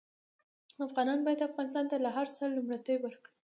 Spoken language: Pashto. افغانان باید افغانستان ته له هر څه لومړيتوب ورکړي